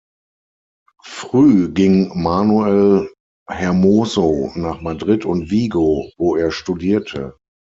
Früh ging Manuel Hermoso nach Madrid und Vigo, wo er studierte.